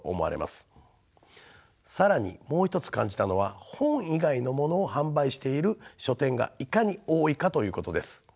更にもう一つ感じたのは本以外の物を販売している書店がいかに多いかということです。